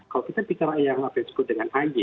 kalau kita bicara yang apa yang disebut dengan ig